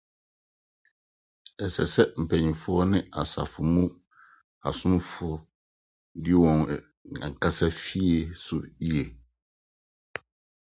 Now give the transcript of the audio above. Ɛsɛ sɛ mpanyimfo ne asafo mu asomfo di wɔn ankasa fie so yiye.